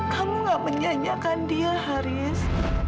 kamu nggak menyanyiakan dia haris